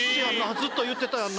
ずっと言ってたやんな。